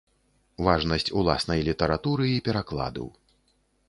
Важнасць уласнай літаратуры і перакладу.